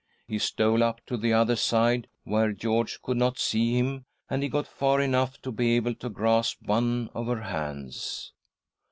He stole up to the other side, where George could not see him, and he got far enough to be able to grasp one of her hands.